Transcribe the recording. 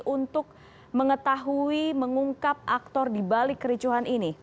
untuk mengetahui mengungkap aktor di balik kericuan ini